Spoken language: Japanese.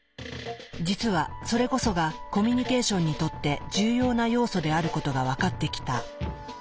実はそれこそがコミュニケーションにとって重要な要素であることが分かってきた。